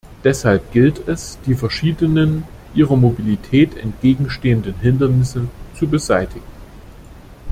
Deshalb gilt es, die verschiedenen ihrer Mobilität entgegenstehenden Hindernisse zu beseitigen.